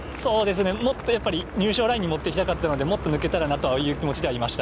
もっと入賞ラインに持っていきたかったのでもっと抜けたらなという気持ちではいました。